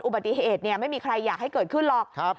อุบัติเหตุไม่มีใครอยากให้เกิดขึ้นหรอก